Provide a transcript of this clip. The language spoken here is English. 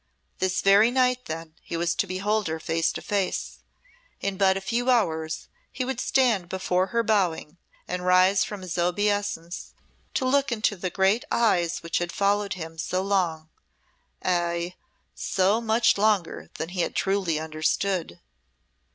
This very night, then, he was to behold her face to face; in but a few hours he would stand before her bowing, and rise from his obeisance to look into the great eyes which had followed him so long ay, so much longer than he had truly understood.